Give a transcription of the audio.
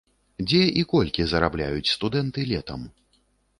Дзе і колькі зарабляюць студэнты летам?